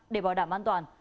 để bảo đảm an toàn